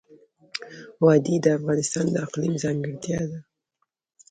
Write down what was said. وادي د افغانستان د اقلیم ځانګړتیا ده.